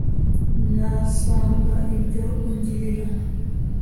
ngasanga ibyo ungirira